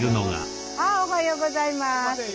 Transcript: おはようございます。